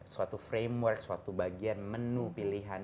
suatu framework suatu bagian menu pilihan